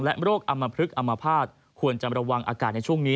และโรคอมพฤกษ์อมภาษควรจำระวังอากาศในช่วงนี้